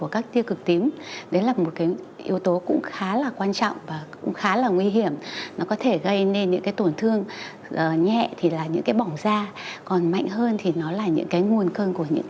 có thể đây là một điều kiện để phát sinh các bệnh nền đó